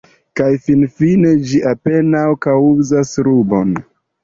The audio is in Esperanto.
Kaj finfine ĝi apenaŭ kaŭzas rubon.